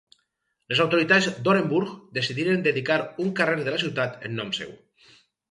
Les autoritats d'Orenburg decidiren dedicar un carrer de la ciutat en nom seu.